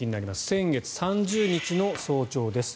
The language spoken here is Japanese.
先月３０日の早朝です。